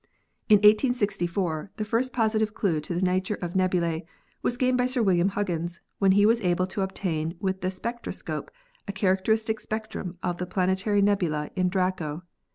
In 1864 the first positive clue to the nature of nebulae was gained by Sir William Huggins, when he was able to obtain with the spectroscope a characteristic spectrum of the planetary nebula in Draco.